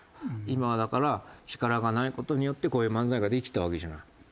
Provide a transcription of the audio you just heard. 今はだから力がない事によってこういう漫才ができたわけじゃない。